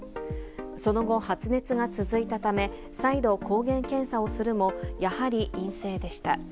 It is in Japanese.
その後、発熱が続いたため、再度、抗原検査をするも、やはり陰性でした。